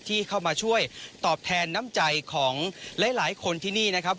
ที่เข้ามาช่วยตอบแทนน้ำใจของหลายคนที่นี่นะครับ